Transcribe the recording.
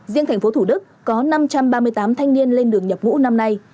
riêng tp thủ đức có năm trăm ba mươi tám thanh niên lên đường nhập ngũ năm nay